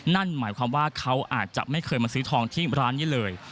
นั่นหมายความว่าเขาอาจจะไม่เคยมาซื้อทองที่ร้านนี้เลย